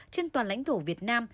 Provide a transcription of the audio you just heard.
trên toàn lãnh thổ việt nam